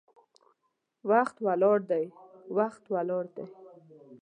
وخت ولاړ دی، وخت ولاړ دی